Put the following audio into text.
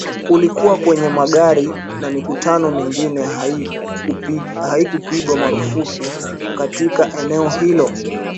ulikuwa kwenye magari na mikutano mingine haikupigwa marufuku katika eneo hilo